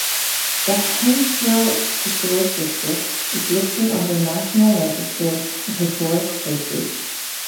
The Hapeville Historic District is listed on the National Register of Historic Places.